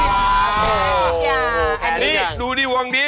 นี่ดูนี่วงดี